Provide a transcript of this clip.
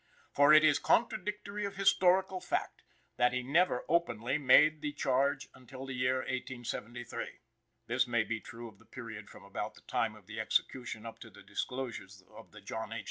For it is contradictory of historical fact, that he never openly made the charge until the year 1873. This may be true of the period from about the time of the execution up to the disclosures of the John H.